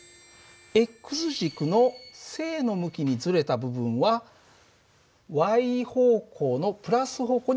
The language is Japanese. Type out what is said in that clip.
軸の正の向きにずれた部分は方向のプラス方向に向ける。